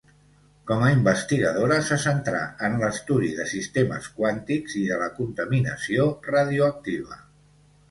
Com a investigadora se centrà en l'estudi de sistemes quàntics i de la contaminació radioactiva.